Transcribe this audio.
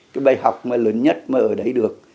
cái bài học mà lớn nhất mà ở đấy được